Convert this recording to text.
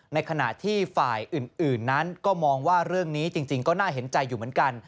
ในขณะที่ฝ่ายอื่นนั้นก็มองว่าเรื่องนี้จริงก็น่าเห็นใจอยู่เหมือนกัน